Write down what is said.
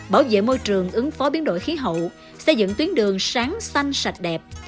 bảo vệ môi trường ứng phó biến đổi khí hậu xây dựng tuyến đường sáng xanh sạch đẹp